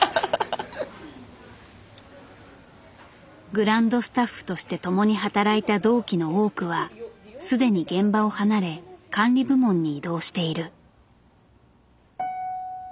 グランドスタッフとして共に働いた同期の多くは既に現場を離れ管理部門に異動している。